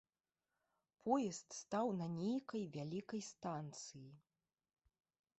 Поезд стаў на нейкай вялікай станцыі.